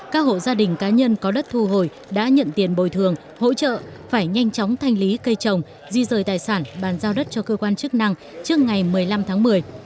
các hộ gia đình cá nhân có đất thu hồi đã nhận tiền bồi thường hỗ trợ phải nhanh chóng thanh lý cây trồng di rời tài sản bàn giao đất cho cơ quan chức năng trước ngày một mươi năm tháng một mươi